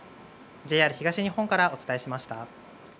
ＪＲ東日本からお伝えしました。